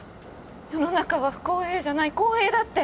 世の中は不公平じゃない公平だって